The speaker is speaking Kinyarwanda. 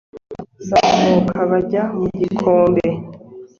Bamaze kuzamuka bakajya mu gikombe